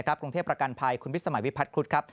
กรุงเทพประกันภัยคุณวิสมัยวิพัฒนครุฑครับ